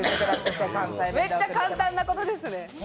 めっちゃ簡単なことですね。